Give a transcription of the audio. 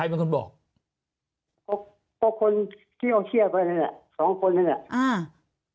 ใครมันคุณบอกหกหกคนที่เอาเชี่ยไปนั่นแหละสองคนนั่นแหละอ่า